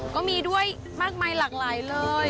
ก็มีด้วยมากมายหลากหลายเลย